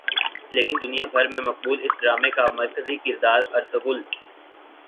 لیکن دنیا بھر میں مقبول اس ڈارمے کا مرکزی کردار ارطغرل